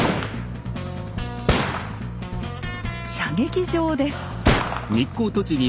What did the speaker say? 射撃場です。